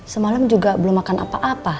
semalam juga belum makan apa apa